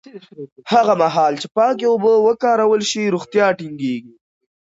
هغه مهال چې پاکې اوبه وکارول شي، روغتیا ټینګېږي.